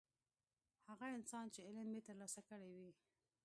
هغه انسان چې علم یې ترلاسه کړی وي.